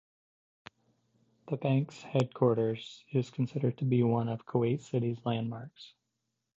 The Bank's Headquarters is considered to be one of Kuwait City's landmarks.